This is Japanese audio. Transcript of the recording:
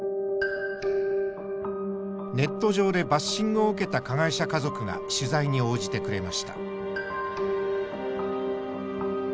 ネット上でバッシングを受けた加害者家族が取材に応じてくれました。